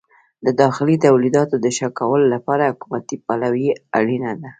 د داخلي تولیداتو د ښه کولو لپاره حکومتي پلوي اړینه ده.